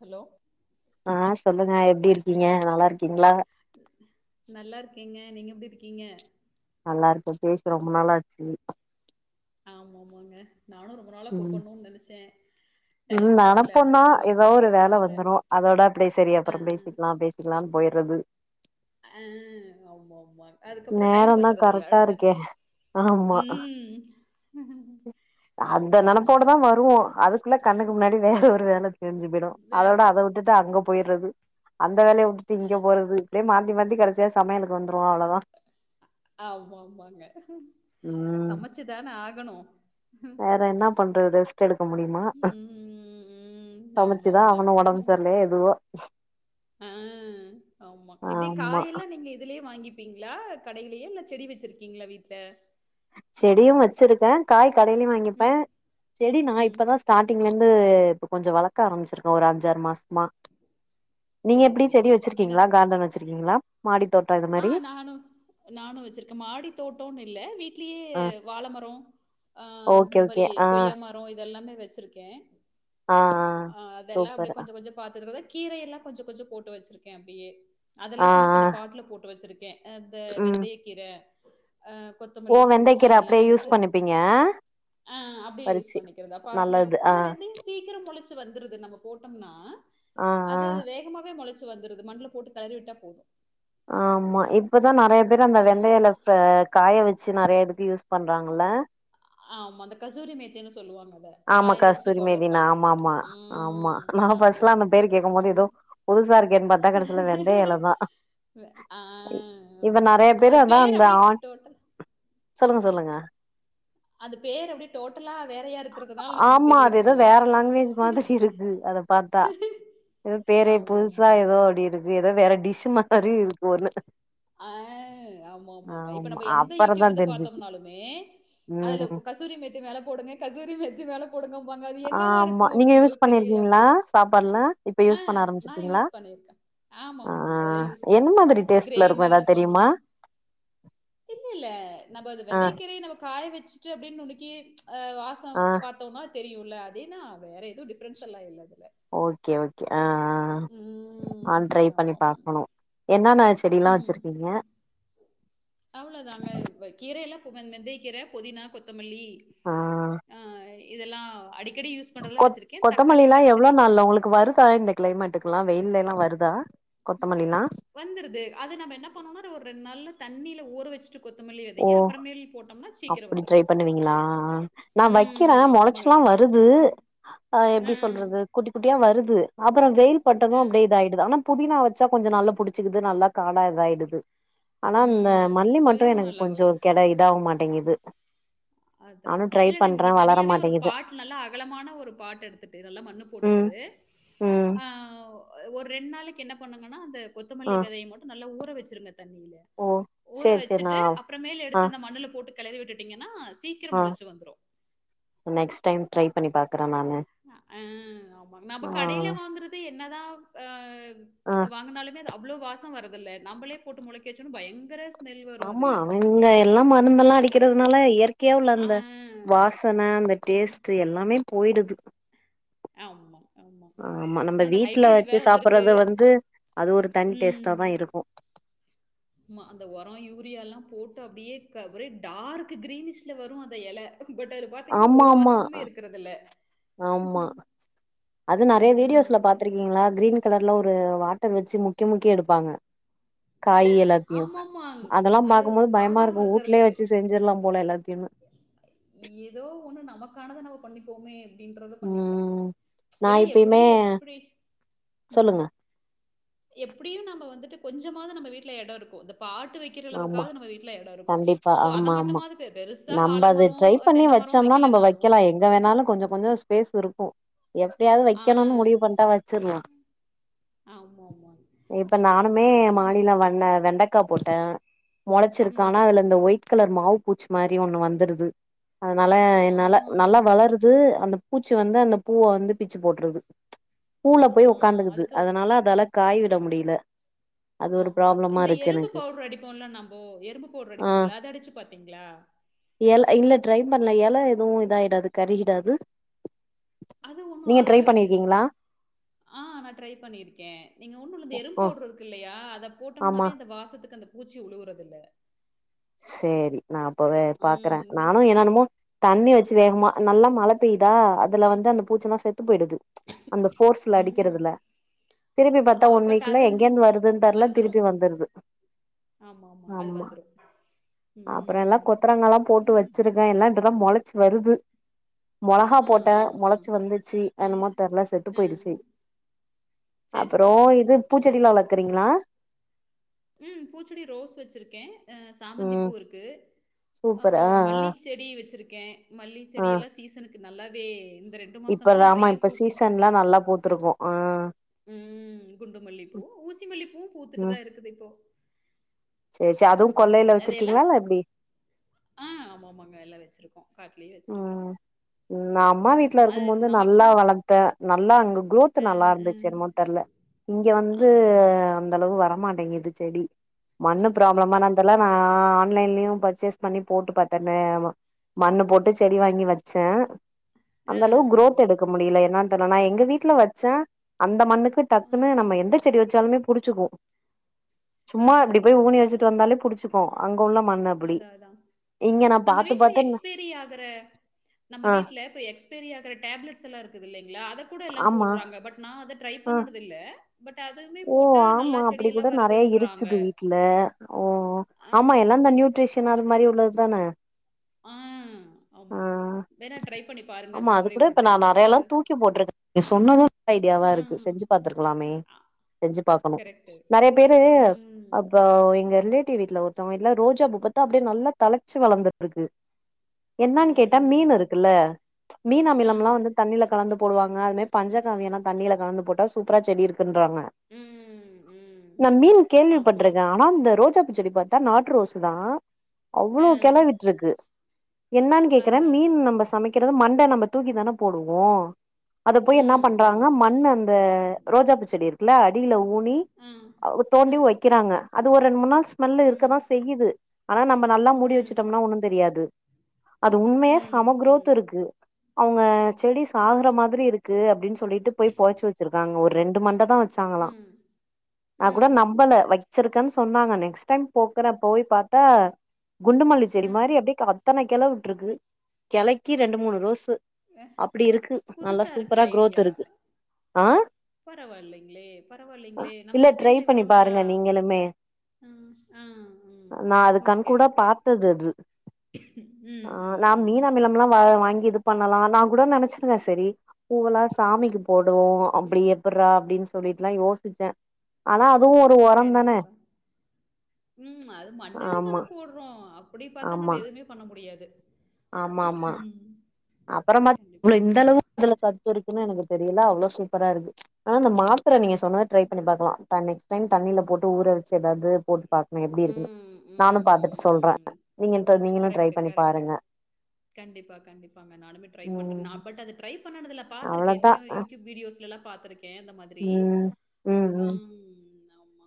Hello ஆ சொல்லுங்க எப்டி இருக்கீங்க நல்லா இருக்கீங்களா நல்லா இருக்கேங்க நீங்க எப்டி இருக்கீங்க நல்லா இருக்க பேசி ரொம்ப நாளாச்சு ஆமா ஆமாங்க நானு ரொம்ப நாளா ம் கூப்பணும்னு நெனச்ச ம் நெனப்போம்தா ஏதாவோரு வேல வந்துரும் அதோட அப்டியே செரி ஆ அப்றம் பேசிக் க்கலாம் பேசிக்கலாம் போயிறது ஆ ஆமா ஆமா அதுக்கப்ற டைம் நேரந்தா பத்துறது இல்ல கரெக்டா இருக்கே அடுத்தடுத்து ஆமா ம் அந்த ஆமா ஆமாங்க நெனப்போட தா வருவோ அதுக் ள்ள கண்ணுக்கு முன்னாடி வேற ஒரு வேல தெரிஞ்சு போயிடும் வேற அதோட அத வுட்டுட்டு அங்க போயிறது அந்த வேலயவுட்டுட்டு இங்க போறது இப்டியே மாத்தி மாத்தி கடைசியா சமையலுக்கு வந்துருவோ அவ்ளோதா ஆம்மாமாங்க ம் சமச்சு தான ஆகணு வேறென்ன பண்றது ரெஸ்ட் எடுக்க முடியுமா ம் ம் ஆமா சமச்சுதா ஆமா ஆகனு ஒடம்பு சரி இல்லையோ எதுவோ ஆ ஆமா எப்டி ஆமா காயெல்லா நீங்க இதுலயே வாங்கி ப்பிங்களா கடையிலே இல்ல செடி வச்சிருக்கீங்களா வீட்ல செடியும் வச்சிருக்கேன் காய் கடையிலையு ம் வாங்கிப்பேன் செடி நா ம் இப்பதா ஸ்டார்டிங்ல இருந்து இப்போ கொஞ்சோ வளக்க ஆரம்பிச்சிருக்கே ஒரு அஞ்சாறு மாசமா நீங்க சரி எப்டி சரிங்க செடி என்ன வச்சிருக்கீங்களா கார்டன் வச்சிருக்கீங்களா மாடி தோட்டோ இது ஆ மாரி நானு நானு வச்சிருக்கே மாடி தோட்டம்னு இல்ல வீட் லய்யே ஆ வாழ மரோ ஓகே இந்த மாரி ஓகே ஆ கொய்யா மரோ இதெல்லாமே வச்சிருக்கே ஆ ஆ அதெல்லா அப்டியே சூப்பர் ஆ கொஞ்சோ கொஞ்சோ பாத்துக்கறது கீரே எல்லா கொஞ்சோ கொஞ்சோ போட்டு வச்சிருக்கே அப்டியே அதெல்லா ஆ சின்ன சின்ன பாட்ல போட்டு வச்சிருக்கே அந்த ம் வெந்தய கீர அ ஓ கொத்தமல்லி புதினா வெந்தைக்கீர இது அப்டியே எல்லாமே வந்து யூஸ் பண்ணிப்பீங்க ஆ அப்டி யூஸ் பறிச்சு பண்ணிக்கிறது பாட்டுல நல்லது ஆ ஆனா வெந்தயோ சீக் கீர மொளச்சு வந்துர்து நம்ம போட்டோம்னா ஆ ஆ அது வேகமாவே மொளச் ச்சி வந்துருது மண்ல போட்டு களறிவிட்டா போதோ ஆமா இப்பதா நறைய பேர் அந்த ஆ வெந்தய எல காய வச்சு நறையா இதுக்கு யூஸ் பண்றாங்கள்ல ஆமா அந்த கசூரி மேத்தின்னு சொல்லுவாங்க அத ஆமா காய வச்சு கஸ்தூரி மேதி பவுடர் பண்ணான ஆமா அத. ஆமா ஆமா ம். நா ஆமா, ஃபஸ்ட்லா அந்த ஆமா. பேர் கேட்கு போது ஆனா எதோ புதுசாருக்கேன்னு பாத்தா கடைசில பாத்தா வெந்தய எலதா ஆ அது அதா பேரு அந்த அப்டே ஆன் டோட்டல் சொல்லுங்க சொல்லுங்க அது பேரு அப்டி டோட்டலா வேறையா இருக்குறதுனால நமக்கு ஆமா அது தெரியறது ஏதோ இல்ல வேற லாங்குவேஜ் எதோ பேரே புதுசா எதோ அப்டி இருக்கு எதோ வேற டிஷ் மாரி இருக்கு ஒண்ணு ஆ ஆமா ஆமாங்க இப்ப ஆமா நம்ப எந்த அப்பறந்தா யூடியூப் இது தெரிஞ்சுச்சு பாத்தோம்னாலுமே அதுல ம் கசூரி மேத்தி மேல போடுங்க கசூரி மேத்தி மேல போடுங்க அது என்னவா ஆமா இருக்கு நீங்க அப்டின்றது யூஸ் தெரியல பண்ணிருக்கீங்களா அப்போ சாப்பாடுல இப்ப ஆ யூஸ் பண்ண நா ஆரம்பிச்சிருக்கீங்களா யூஸ் பண்ணிருக்கே ஆ ஆமாம்மாமாங்க அதெல்லா யூஸ் என்ன பண்ணிருக்கே மாதிரி நா டேஸ்ட்ல கிரேவி இருக்கு மாரி எதோ ஏதாவது தெரியுமா பண்ணோம்னா ஹிங் இல்ல நம்ப அது ஆ வெந்தயக்கீரையே நமக் காய வச்சிட்டு அப்டி நுணுக்கி வாசோ ஆ பாத்தோம்னா தெரியும்ல அதேதா வேற எதுவு டிஃப்ரன்ஸ் எல்லா இல்ல அதுல ஓகே ஓகே ஆஆ ம். நானு ட்ரை பண்ணி ஆமாமாங்க. பாக்கணு என்னென்னா செடி எல்லா வச்ருக்கீங்க அவ்ளோதாங்க கீரைலா வெந்தய கீர புதினா கொத் தமல்லி ஆ இதெல்லா அடிக் கொ கொத்தமல்லி ல்லா எவ்ளோ நாள்ல உங்களுக்கு வரு தா இந்த கிளைமேட்டுக்கு ல்லா வெயிலெல்லா வருதா கொத்தமல்லி லா வந்துருது அது நம்ம என்ன பண்ணணும்னா ஒரு ரெண்டு நாள்ல தண்ணில ஊற வச்ட்டு ஓ அப்டி வந்துரும். ட்ரை பண்ணுவீங்களா நா வைக்கிறே ம். ஆமா. மகள். முளச்சில்லா வ ருது அ எப்டி சொல்றது குட்டி குட்டியா வருது அப்பறோ வெயில் பட்டதோ அ. அப்டியே இதா ஆயிடுது ஆனா புதினா வச்சா கொஞ்சோ நல்லா புடிச்சக்குது நல்லா காடா இதாயிடுது ஆனா இந்த ம். மல்லி மட்டோ புதினா எனக்கு நல்லா வரும். கெடா இதா ஆக மாட்டேங்குது அதா நானு அதா ட்ரை இல்ல நாங்க பண்றே இங்க வளர தனியாவே ஒரு மாட்டேங்குது பாட் நல்லா அகலமான ஒரு பாட் எடுத்துட்டு நல்லா மண்ணு போட்டுட்டு ம் ம் ஆ ஒரு ரெண்டு நாளைக்கு என்ன பண்ணுங்கன்னா அந்த ஆ கொத்தமல்லி விதைய மட்டோ நல்லா ஊற வச்சிருங்க தண்ணியில ஓ ஊற சேரி சேரி நா வச்சுட்டு அப்புறமேல ஆ எடுத்து அந்த மண்ணுல போட்டு கலறி விட்டுட்டீங்கன்னா சீக்கிரோ ஆ மோலச்சி வந்துரோ நெக்ஸ்ட் டைம் ட்ரை பண்ணி பாக்கறே நானு ஆ அ ஆமா நாம ஆ கடையில வாங்கறது என்னதா ஆ ஆ வாங்கினாலுமே அது அவ்ளோ வாசோ வரதில்ல நம்மளே போட்டு முளைக்க வச்சா பயங்கர ஸ்மெல் வரும் ஆமா அதுல. அவ்ங்க எல்லா மருந்தெல்லா அடிக்கிறதுனால இயற்கையா உள்ள ஆ. அந்த வாசன அந்த ம். டேஸ்ட் எல்லாமே போயிடுது ஆமா ஆமா ஆமா நம்ம இன்னொன்னு வீட்ல ஹைபைரட் வச்சு வேற வந்து இருக்கு சாப்புறது வந்து அது ஒரு தனி டேஸ்ட்டா உம் தா இருக்கு ஆமா அந்த ஒரம் யூரியால்லாம் போட்டு அப்படியே ஒரே டார்க் கிரீனிஷ்ல வரும் அந்த எல பட் அது பாத்தீங்கன்னா ஆமா ஒரு ஆமா வாசமுமே இருக்கிறது இல்ல ஆமா அது நெறைய வீடியோஸ்ல ம். பாத் ருக்கீங்களா கிரீன் கலர்ல ஒரு வாட்டர் வச்சு முக்கி முக்கி எடுப்பாங்க காய் எல்லாத்தையும் ஆமாமா. அதெல்லாம் அது பாக்கும்போது பயமா வாடாம இருக்கும் வூட்லயே இருக்கிறதுக்கு. வச்சு செஞ் சுர்ல்லாம் போல எல்லாத்தையும் ஏதோ ஒண்ணு நமக்கானத நம்ம பண்ணிப்போமே ன்றத பண்ணிக்கலாம் ம் நா ஏன்னா எப்டி எப்பயுமே எப்டி உம் சொல்லுங்க எப்டியும் நம்ம வந்துட்டு கொஞ்சமாவது நம்ம வீட்டுல எடம் இருக்கும் இந்த பாட் வை க்ற ஆமா அளவுக்காது நம்ம வீட்டுல எடம் இருக்கும் சோ அத மட்டுமாவுது நம்ப அது ட்ரை பண்ணி வச்சோம்னா நம்ம வைக்கலனாலும் வைக்கலாம் எங்க வேணாலும் கொஞ்சம் கொஞ்சம் ஸ்பேஸ் இருக்கும். எப்டியாவது ஆ, வைக்கணும்னு முடிவு பண்ணிட்டா வச்சிர்லாம். ஆமாமா. இப்ப நானுமே அதனால நமக்கு மாடியில வண் வெண்டக்காய் போட்டேன். முளச்சிருக்கு ம். ஆனா அதுல இந்த ஒயிட் கலர் மாவு பூச்சி மாரி ஒண்ணு வந்துர்து அதனால ஆ, நல்ல நல்லா வளருது அந்த பூச்சி வந்து அந்த பூவ வந்து பிச்சு போட்டுருது. பூவுல ஆ போய் உக்காந்துக்குது அதுக்கு அதனால அதால காய் விட முடியல அது ஒரு ஆமா ஆமா ப்ராப்ளமா இந்த இருக்கு எறும்பு எனக்கு பவுட்ர் அடிப்போம்லாம் நம்போ எறும்பு பவுட்ர் ஆ அடிப்போம்ல அத அடிச்சு பாத்தீங்களா. எல இல்ல ட்ரை பண்ணல எல எதுவும் இதாயிடாது கரி கிடாது அது ஒண்ணும் ஆகாது ஆ நா ட்ரை பண்ணியிருக்கேன் நீங்க ஒன்னுல்ல இந்த எறும்பு ஆ பவுட்ரு இல்லையா அத ஆமா போட்டோம்னாவே அந்த வாசத்துக்கு அந்த பூச்சி உழுவுறது இல்ல சேரி நா அப்பவே பாக்குறேன் ம், வெ- நானும் என்னென்னமோ தண்ணி வச்சு வேகமா நல்லா மழ பெய்யுதா அதுல வந்து அந்த பூச்செல்லாம் செத்து போயிடுது அந்த ஃபோர்ஸ்ல ம். அடிக்கிறதுல திருப்பி பாத்தா அ ஒன் பட் வீக்ல அது என்ன எங்கேருந்து வருதுன்னு தெரில வந்துரு திருப்பி வந்துருது. ஆமா ஆமா அது வந்துரும் அப்புறம் எல்லாம் கொத்தரங்கல்லாம் போட்டு வச்சிருக்கே எல்லா இப்பதா முளச்சு வருது. மொளகா ஆ போட்டா ஆ ஆ அ முளச்சு வந்துச்சு அ என்னமோ தெரில செத்து போயிட்ச்சு சரி அப்புறம் சரி இது சரி அ பூச்செடிலாம் வளர்க்குறீங்களா ம் பூச்செடி ரோஸ் வெச்சிருக்கே அ ம் சாமந்திப்பூ இருக்கு. சூப்பர் அப்பறோ ஆ ஆ மல்லி செடி வெச்சிருக்கே. மல்லி செடியெல்லா சீசனுக்கு நல்லாவே இந்த ரெண் இப்பராமா இப்ப சீசன்லா நல்லா பூத்துருக்கு ஆ ம் குண்டுமல்லிப்பூ ஊசி மல்லிப்பூவு பூத்துட்டு தா இருக்குது இப்போ சேர் சேர் அதுவு ம் கொள்ளையில அது எல்லா வெச்சிருக்கீங்களா இல்ல எப்டி ஆ ஆமாமாங்க எல்லா வெச்சிருக்கோ காட்டு்லயே வெச்சிருக்கறோ ம் நா அம்மா வீட்ல இருக்கும்போது நல்லா வளத்த நல்லா அங்க குரோத் ம் நல்லா இருந்துச்சு ம் என்மோ தெர்ல இங்க ஆ வந்து ஆ அந்த அளவு வரமாட்டேங்குது செடி மண்ணு அது அது ப்ராப்ளமா அது என்னனு தெர்ல நா அதான் ஆன்லைன்லயு பர்ச்சேஸ் பண்ணி போட்டு பாத்த [unintelligible] மண்ணு போட்டு செடி வாங்கி வச்சே ஆ அந்த அளவு ஆ குரோத் எடுக்கு முடில என்னான் தெர்ல நா எங்க வீட்ல வச்சே அந்த மண்ணுக்கு டக்குன்னு ம் நம்ம எந்த செடி வெச் சாலுமே புடிச்சுக்கு சும்மா அப்டி போய் ஊனி வெச்சுட்டு வந்தாலே புடிச் அதா அதா இங்க நா நம்ம பாத்து வீட்டுல பாத்து எக்ஸ்பீரி ஆகற நம்ம வீட்டுல இப்ப எக்ஸ்பைரி ஆகற டேப்லட்ஸ்யெல்லா இருக்குதுங் இல்லிங்ளா அத கூட எல்லா ஆமா போடுறாங்க பட் நா அத ட்ரை ஆ பண்ணுணது இல்ல பட் அதுவுமே ஓ போட்டா நல்லா செடியெல்லா வருதுன்றாங்க இல்ல ஓ ஓ ஆ ஆமா எல்லா இந்த நியூட்ரிஷன் அது மாரி அதெல்லாம் உள்ளதுதான ஆ ஆ ஆமா. வேணா ட்ரை பண்ணி பாருங்க ஆமா அந்த அது மாரி கூட ஒரு இப்ப நா டைம். நறையாலா ஏதாவது தூக்கி போட்ருக் நீ சொன்னது ஐடியாவா இருக்கு செஞ்சு பாத்துருக்கலாமே ஆ செஞ்சு பாக்கணு நறைய பேரு ம். அப்ப எங்க ரிலே ட்டிவ் வீட்ல ஒருத்தங்க வீட்டுல ரோஜா பூ பத்தா அப்டியே நல்லா தழச்சி வளந்துட்ருக்கு என்னன்னு கேட்டா மீனூ ம். இருக்குல்ல மீன் ஆ. அமிலம்லா வந்து தண்ணீல கலந்து போடுவாங்க அதுமே பஞ்சக்காவியோலா தண்ணீல கலந்து போட்டா சூப்பரா செடி இருக்குன்றாங்க ம். ம். நா மீன் கேள்விப்பட்ருக்க ஆமாமா. அனா இந்த ரோஜா பூ செடி பாத்தா நாட்டு ரோசு தா ஆ. அவ்ளோ கெளவிட்ருக்கு என்னானு கேக்குற அதான் மீன் அதான். நம்ப சமைக்கறது மண்ட நாம்ப தூக்கி தான போடுவோ அத போயி என்னா ம். பண்றாங்க ம். மண்ண அந்த ரோஜா பூ செடி இரு க்குள்ள அடீல ஊனி ஆ. ஆ. தோண்டி வெக்கறாங்க அது ஒரு ரெண் மூணு நாள் ஸ்மெல்லு ம். இருக்கதா செய்யிது அனா நம்ப நல்லா மூடி ம். வெச்சுட்டம்ன்னா ஒன்னு தெரியாது அது உண்மையா ம். செம ம். குரோத்து இருக்கு அவுங்க செடி சாகற மாதிரி இருக்கு அப்டின் சொ ல்லீட்டு போய் பொதச்சு வெச்சிருக்காங்க ஒரு ரெண்டு மண்ட தா வச்சாங்களா ம். நா கூட ம். நம்பல வெ ச்சிருக்கன் சொன்னாங்க நெக்ஸ்ட் டைம் போகுற போய் பாத்தா குண்டுமல்லி செடி ஆ. மாரி அப்டியே அத்தனைக் கெள உட்ருக்கு கெளைக்கி ரெண்டு மூணு ரோஸு அ அப்படி இருக்கு நல்லா புதுசா இருக்கு சூப்பரா குரோத் இருக்கு ஆ பரவால்லங்ளே பரவால்லங்ளே இல்ல நமக்கு ட்ரை தெரில இவ்ளோ பண்ணி நாளா பாருங்க நீங்களுமே ம் ஆ ம் நா அது கண் ஓகே கூட ஓகே பாத்தது அது ஆ ம் ம் நா ம் [unintelligible] வா வாங்கி இது பண்ணலா நா கூட நெனச்சிருக்க செரீ பூவல்லா சாமிக்கு போடுவோ அப்படி எப்பர்ரா அப்டின் சொல்லிட்லா யோசிச்ச அனா அதுவு ஒரு கெண்டிப்பா ம் அது மண்ணுல ஆமா தான போடு றோ அப்படி பாத்தா நம்ம ஆமா எதுமே பண்ண முடியாது ஆமா ஆமா ம்ஹ்ம். அப்பறமா கண்டிப்பா, இவ்ளோ இந்த கண்டிப்பா. அளவு [inaudible] அதுல தென் சத்து இருக்குனு எனக்கு தெரில அவ்ளோ சூப்பரா இருக்கு அனா இந்த மா ப்பறோ நீங்க சொன்னது ட்ரை ம். பண்ணி பாக்கலா தா நெக்ஸ்ட் டைம் தண்ணீல போட்டு ஊறவச்சி எதாவ்து போட்டு பாக்னு எப்டி இருக்குன்ணு ம், ம், நானு பாத்துட்டு ம், சொல்றே ம். நீங்கன்ட்ட நீங்களு கரெக்ட், ட்ரைபண்ணி கரெக்ட். பாருங்க கண்டிப்பா கண்டிப்பாங்க நானுமே ட்ரை பண்றே நா ம் பட் அது ட்ரை பண்ணதுல அவ்ளோதா பாத்துருக்கேத்தயு யூடியூப் வீடியோஸ்லல்லா பாத்திருக்கே அந்த மாதிரி ம் ம் ம் அம் ஆம்மா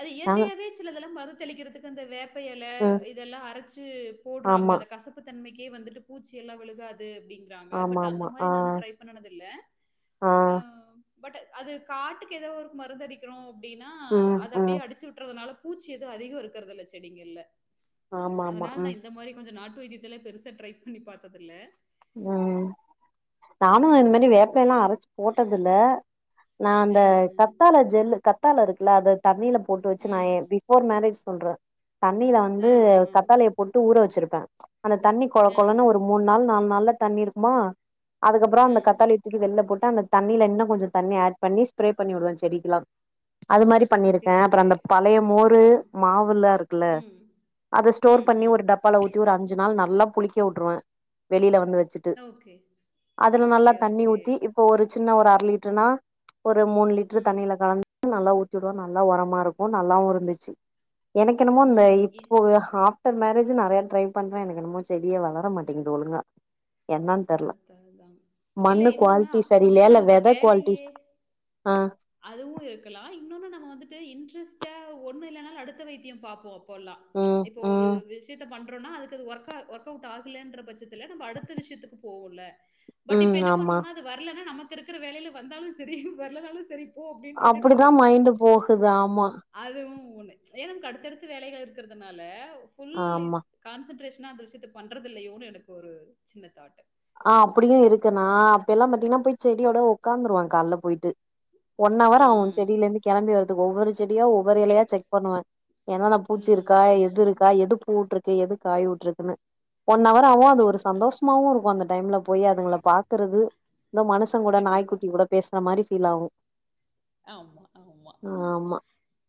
அது நாங்க இயற்கையாவே சிலதெல்லா மறுதெளிக்கிறதுக்கு அந்த வேப் ப்பஎல ம் இதெலா அரச்சி போட்றாங்க ஆமா அந்த கசப் பு தன்மைக்கே வந்துட்டு பூச்சி எல்லா விழுகாது அப்டின் கிராங்க ஆமா பட் அந்த ஆமா மாரி ஆ நானு ட்ரைபண்ணனது இல்ல ஆ அ பட் அது காட்டுக்கு ஏதோ ஒரு மருந்து அடிக்குணு அப்டின்னா ம் அத அப்டியே ம் அடிச்சு விட்றதுனால பூச்சி எது அதிகொ இருக்கறதில்ல செடிங்கள்ல ஆமா ஆமா அதனால் நா ம் இந்த மாரி கொஞ்சொ நாட்டு வைத்தியத்தில பெருசா ட்ரை பண்ணிப்பாத்ததுல்ல ம் நானு இந்தமெரி ம். வேப்பஎல்லா அரச்சு போட்டதில்ல நா அந்த அ, கத்தாள ஜெல் கத்தாள இருக்குல்ல அத தண்ணில போட்டு வச்சு நா ம். எம் பி பஃபோர் மேரஜ் சொல்றெ தண்ணில அ, வந்து அ, கத்தாழைய போட்டு ஊற வச்சுருப்பே அந்த தண்ணிக் கு கொழ அ, கொழன்னு ஒரு மூண் நாள் நால் நாள்ல தண்ணி இருக்குமா அதுக்கப்பறொ அ. அந்த கத்தாழி தூக்கி வெள்ளபோட்டு அந்த தண்ணில இன்னு கொஞ்சொ தண்ணி ஆட் பண்ணி ஸ்ப்ரே பண்ணி உடுவ செடிக்குலா அது மாரி ஓகே, பண்ணிருக்க அப்பற ஓகே. அந்த பழையமோரு ம், மாவுல்லா இருக்குல்ல ம், அத ஸ்டோர் ம், பண்ணி ம். ஒரு டப்பால ஊத்தி ஒரு அஞ்சுநாள் நல்லா புளிக்கஉட்டுருவ வெளில வந்து வெச்சுட்டு ஓகே, அதுல நல்லா ஓகே, தண்ணி ஓகே. ஊத்தி இப் ப்ப ஒரு சின்ன ஒரு அர லிட்டர்னா ஒரு மூணு லிட்ரு ம், தண்ணில கலந் து நல்லா ஊத்திவுடுவ நல்லா ஒரமாருக்கு நல்லாவு இருந்துச்சு எனக் என்னமோ இந்த ம். எ இப்போவ ஹா டர் மேரேஜு நெறைய ட்ரை பண்றே எனக் என்னமோ செடியே வளர மாட்டங்குது ஒழுங்கா என்னன் தெர்ல அதான் அதான். இல்ல மண்ணு இன்னொன்னு குவாலிட்டி அப்ப சரியில்லையா வந்துட்டு இல்ல நமக்கு வித குவாலிட்டி அ அதுவூ இருக்கல்லா இன்னொன்னு நம்ம வந்துட்டு இன்ட்ரஸ்ட்டா ஒண்ணு இல்லனாலு அடுத்த வைத்தியொ பாப்போ போல்லா ம் இப்போ ஒரு ம் விஷ்யத்த பண் அப்புறோன்னா அதுக் இது ஒர்க் அவுட் ஆகலன்ற பட்சத்துல நம்ம அடுத்த விஷ்யத்துக்கு போவோன்ல பட் இப்ப ம் என்னா ஆமா பண்ணுவோன்னா அது வர்லன்னா நம்மக்கு இருக்குற வேலைல வந்தாலு செரி வர்லனாலு செரி போ அப்டின்ட்டு விட்டுட் அப்டிதா வந்துற்றோ மைண்டு போகுது ஆமா அதுவு ஒண்ணு ஏன்னா நம்க் அடுத்தடுத்து வேலைக இருக்கற்துனால ஃபுல் ஆமா கான்சன்ட்ரேஷ்னா அந்த விஷயத்த பண்றது இல்லையோன்னு எனக்கு ஒரு சின்ன தாட்டு ஆ அப்புடியு இருக்கு நா அப்பயெல்லா பாத்தீங்கன்னா போய் செடியோட உக்காந்துருவ கால்ல பொய்ட்டு ஒன் ஆ அவர் ஆவு செடில்லேந்து கிளம்பி வரதுக்கு ஒவ்வொரு செடியா ஒரு இலையா கரெக்ட். செக் பண்ணுவ என்னான்ன பூச்சிருக்கா ம், ம். இதுருக்கா எது பூ வுட்டுருக்கு எது காய் வுட்டுருக்குன்னு ஒன்அவர் ஆவு அது ஒரு கண்டிப்பா, கண்டிப்பா, சந்தோஷமாவு இருக்கு அந்த டைம்ல போய் அதுங்கள பாத்துறுது இந்தோ மனுசங்கூட கண்டிப்பா. நாய்க்குட்டி கூட பேசுறமாரி ஃபீல்ஆவு ஆம்மா ஆம்மா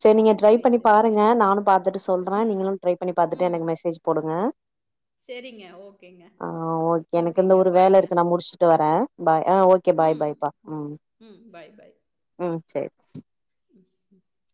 செர் நீங்க ட்ரை பண்ணி பாருங்க நானும் பாத்துட்டு சொல்ற ம். நீங்களு ட்ரை பண்ணி பாத்துட்டு எனக் மெசேஜ் போடுங்க செரிங்க ஓக்கேங்க ஆ ஓகே ஓக் எனக்கு இந்த ஒரு வேலருக்கு நா முடிச்சுட்டு வர பாய் ஆ ஓக்கே பாய் ம். ப்பா உம் ம். Bye, bye. உம் செர் [inaudible]